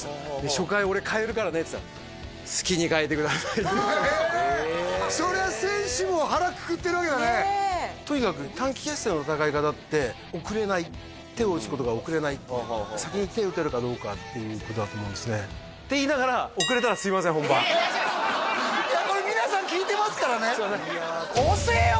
初回俺代えるからねっつったらそれは選手も腹くくってるわけだねとにかく短期決戦の戦い方って遅れない手を打つことが遅れない先に手を打てるかどうかっていうことだと思うんですねって言いながらこれ皆さん聞いてますからねすみません